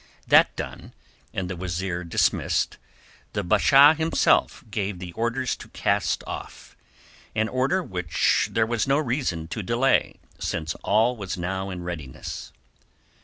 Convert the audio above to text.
That done, and the wazeer dismissed, the Basha himself gave the order to cast off, an order which there was no reason to delay, since all was now in readiness.